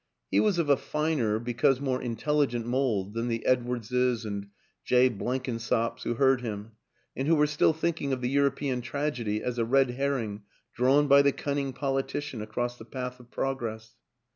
He was of a finer because more intel ligent mold than the Edwardeses and Jay Blenk insops who heard him and who were still thinking of the European tragedy as a red herring drawn by the cunning politician across the path of prog ress.